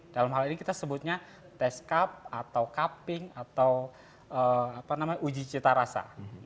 dalam hal ini kita sebutnya test cup atau cupping atau uji cita rasa